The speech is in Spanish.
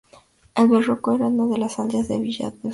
El Berrueco era una de las aldeas de la villa de Uceda.